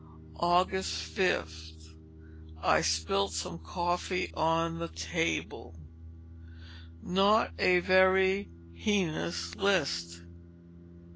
Aug. 5. I spilt some coffee on the table." Not a very heinous list.